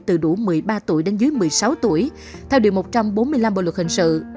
từ đủ một mươi ba tuổi đến dưới một mươi sáu tuổi theo điều một trăm bốn mươi năm bộ luật hình sự